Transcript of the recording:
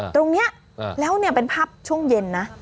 ตรงนี้แล้วเป็นภาพช่วงเย็นนะ